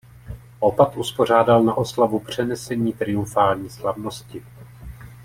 Opat uspořádal na oslavu přenesení triumfální slavnosti.